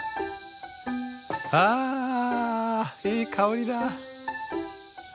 あいい香りだ！